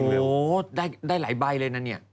โอ้โหได้หลายใบเลยนะเนี่ย